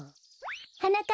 はなかっ